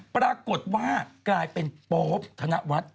ปรากฏว่ากลายเป็นโป๊บถณะวัด